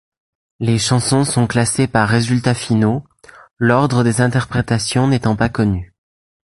Les chansons sont classées par résultats finaux, l'ordre des interprétations n'étant pas connu.